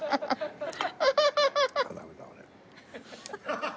ハハハハ！